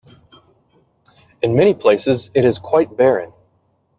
In many places it is quite barren.